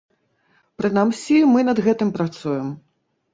Прынамсі, мы над гэтым працуем.